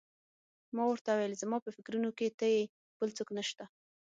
ما ورته وویل: زما په فکرونو کې ته یې، بل څوک نه شته.